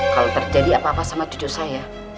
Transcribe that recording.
kalau terjadi apa apa sama cucu saya